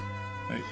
はい。